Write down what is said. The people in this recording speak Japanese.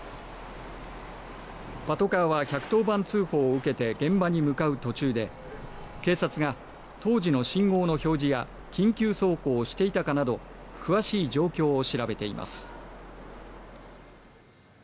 パトカーは１１０番通報を受けて現場に向かう途中で警察が当時の信号の表示や緊急走行していたかなど詳しい状況を調べています。